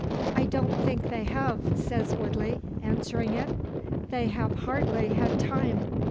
"I don't think they hev," says Woodley, answering it. "They have hardly hed time.